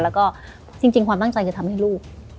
แล้วก็จริงความตั้งใจจะทำให้ลูก